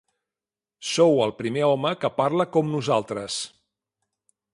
Sou el primer home que parla com nosaltres.